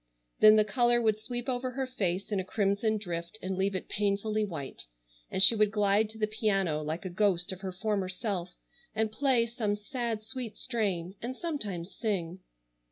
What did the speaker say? Then the color would sweep over her face in a crimson drift and leave it painfully white, and she would glide to the piano like a ghost of her former self and play some sad sweet strain, and sometimes sing.